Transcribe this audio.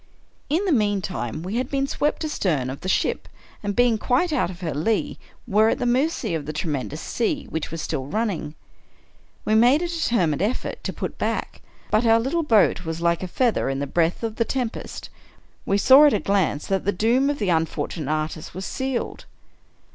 In the meantime, we had been swept astern of the ship, and being quite out of her lee, were at the mercy of the tremendous sea which was still running. We made a deter mined effort to put back, but our little boat was like a feather in the breath of the tempest. We saw at a glance that the doom of the unfortunate artist was sealed.